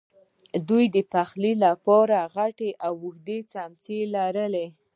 دوی د پخلی لپاره غټې او اوږدې څیمڅۍ لرلې.